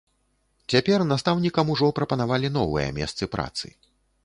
Цяпер настаўнікам ужо прапанавалі новыя месцы працы.